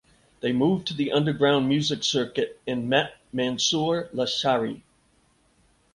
They moved to the underground music circuit and met Mansoor Lashari.